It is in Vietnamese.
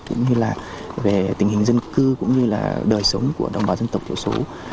cũng như là về tình hình dân cư cũng như là đời sống của đồng bào dân tộc thiểu số